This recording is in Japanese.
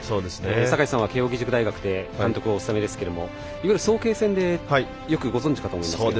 坂井さんは、慶応義塾大学で監督をお務めですけれどもいわゆる早慶戦でよくご存じかと思うんですが。